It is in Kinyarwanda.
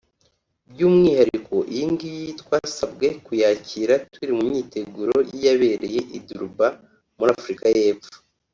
By’umwihariko iyi ngiyi twasabwe kuyakira turi mu myiteguro y’iyabereye i Durban muri Afurika y’Epfo